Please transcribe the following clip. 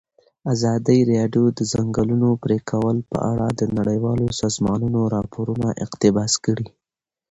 ازادي راډیو د د ځنګلونو پرېکول په اړه د نړیوالو سازمانونو راپورونه اقتباس کړي.